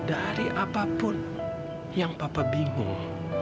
dari apapun yang papa bingung